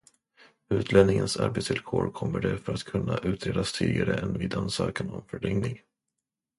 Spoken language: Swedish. Utlänningens arbetsvillkor kommer därför att kunna utredas tidigare än vid ansökan om förlängning.